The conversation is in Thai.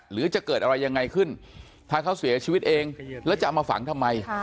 หรือจะเกิดอะไรยังไงขึ้นถ้าเขาเสียชีวิตเองแล้วจะเอามาฝังทำไม